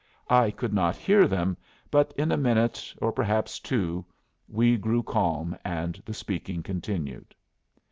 I could not hear them, but in a minute, or perhaps two, we grew calm, and the speaking continued.